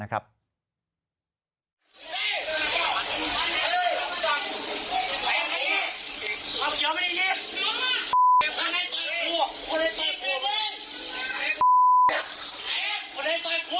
น้องก็อยู่เจ็ดเจ้าพี่น้องก็อยู่เจ็ดเจ้า